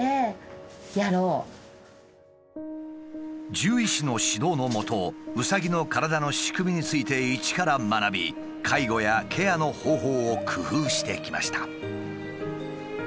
獣医師の指導のもとうさぎの体の仕組みについて一から学び介護やケアの方法を工夫してきました。